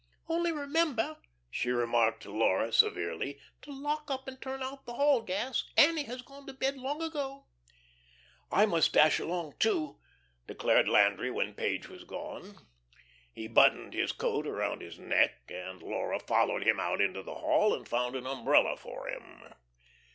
"Only remember," she remarked to Laura severely, "to lock up and turn out the hall gas. Annie has gone to bed long ago." "I must dash along, too," declared Landry when Page was gone. He buttoned his coat about his neck, and Laura followed him out into the hall and found an umbrella for him.